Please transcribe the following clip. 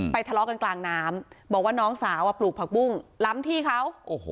ทะเลาะกันกลางน้ำบอกว่าน้องสาวปลูกผักบุ้งล้ำที่เขา